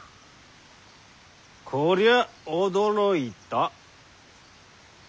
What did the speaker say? こりゃ驚いた。